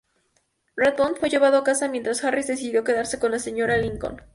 Rathbone fue llevado a casa mientras Harris decidió quedarse con la señora Lincoln.